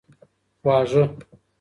خواږه